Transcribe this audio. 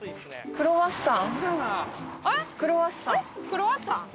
クロワッサン！？